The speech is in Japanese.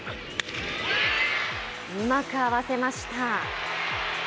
うまく合わせました。